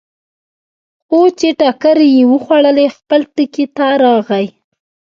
خو چې ټکرې یې وخوړلې، خپل ټکي ته راغی.